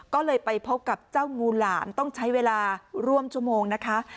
ก็เลยไปพบกับเจ้างูหลามต้องใช้เวลาร่วมชั่วโมงนะคะ